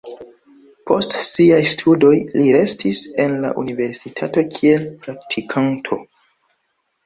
Post siaj studoj li restis en la universitato kiel praktikanto.